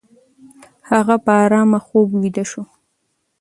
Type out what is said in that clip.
هغه په آرامه خوب ویده شو.